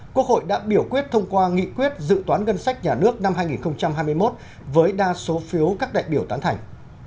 quốc hội đã biểu quyết thông qua nghị quyết dự toán ngân sách nhà nước năm hai nghìn hai mươi một với đa số phiếu các đại biểu tán thành